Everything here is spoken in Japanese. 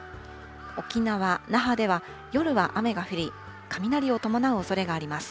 沖縄・那覇では、夜は雨が降り、雷を伴うおそれがあります。